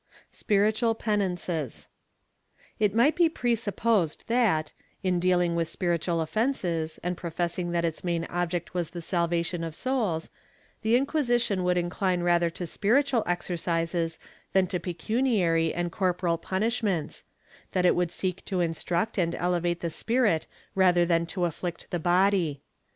^ SPIRITUAL PENANCES. It might be presupposed that, in dealing with spiritual offences, and professing that its main object was the salvation of souls, the Inquisition would incline rather to spiritual exercises than to pecuniary and corporal punishments — that it would seek to instruct and elevate the spirit rather than to affiict the body.